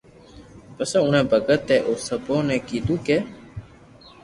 پسو اوڻي ڀگت اي او سپايو ني ڪيدو ڪي